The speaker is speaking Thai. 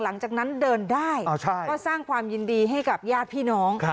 หลังจากนั้นเดินได้ก็สร้างความยินดีให้กับญาติพี่น้อง